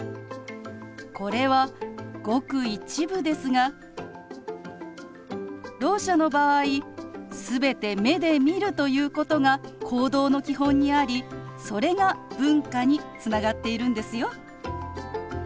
これはごく一部ですがろう者の場合全て目で見るということが行動の基本にありそれが文化につながっているんですよ。